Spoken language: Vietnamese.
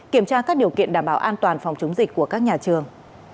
kiểm tra các điều kiện đảm bảo an toàn phòng chống dịch của các nhà trường